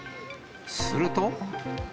すると。